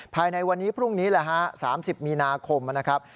ภายในวันนี้พรุ่งนี้แหละฮะ๓๐มีนาคมนะครับ